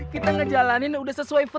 kita ngejalanin udah sesuai